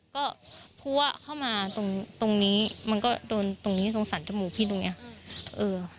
ก็พัวเข้ามาตรงนี้มันก็โดนตรงนี้ตรงสั่นจมูกพี่ตรงนี้